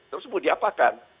terus mau diapakan